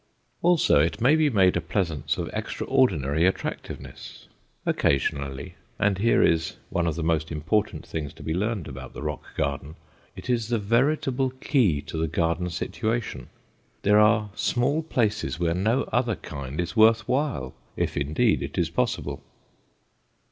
Also it may be made a pleasance of extraordinary attractiveness. Occasionally and here is one of the most important things to be learned about the rock garden it is the veritable key to the garden situation; there are small places where no other kind is worth while, if indeed it is possible.